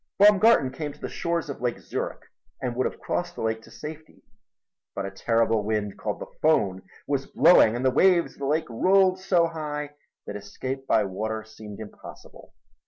Baumgarten came to the shores of Lake Zurich and would have crossed the lake to safety, but a terrible wind called the Fohn was blowing and the waves of the lake rolled so high that escape by water seemed impossible.